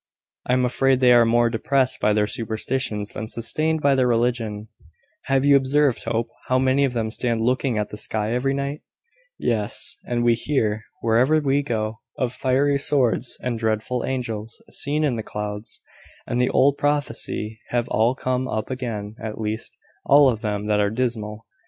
I am afraid they are more depressed by their superstitions than sustained by their religion. Have you observed, Hope, how many of them stand looking at the sky every night?" "Yes; and we hear, wherever we go, of fiery swords, and dreadful angels, seen in the clouds; and the old prophecies have all come up again at least, all of them that are dismal.